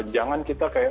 jangan kita kayak